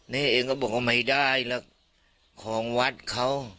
นี่เองก็บอกว่าไม่ได้แล้วของวัดเขา